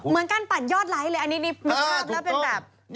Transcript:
เหมือนการปั่นยอดไลค์เลยอันนี้ภาพแล้วเป็นแบบ